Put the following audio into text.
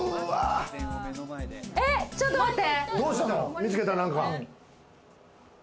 え、ちょっと待って！